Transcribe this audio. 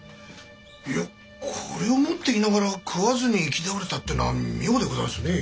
いやこれを持っていながら食わずに行き倒れたってぇのは妙でございますね。